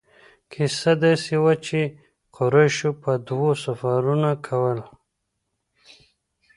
کیسه داسې وه چې قریشو به دوه سفرونه کول.